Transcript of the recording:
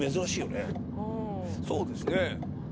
そうですね。